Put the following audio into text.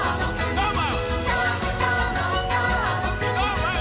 どーも！